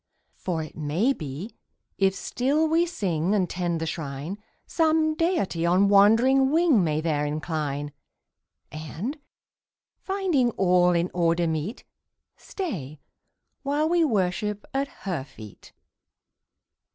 "For it may be, if still we sing And tend the Shrine, Some Deity on wandering wing May there incline; And, finding all in order meet, Stay while we worship at Her feet."